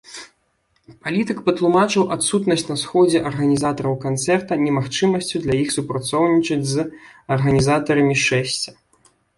Палітык патлумачыў адсутнасць на сходзе арганізатараў канцэрта немагчымасцю для іх супрацоўнічаць з арганізатарамі шэсця.